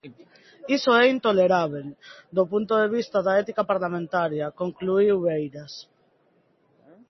Iso é intolerábel do punto de vista da ética parlamentaria, concluíu Beiras.